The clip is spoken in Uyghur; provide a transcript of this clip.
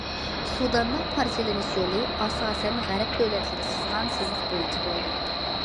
سۇداننىڭ پارچىلىنىش يولى ئاساسەن غەرب دۆلەتلىرى سىزغان سىزىق بويىچە بولدى.